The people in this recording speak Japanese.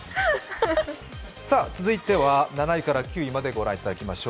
続いては７位から９位までご覧いただきましょう。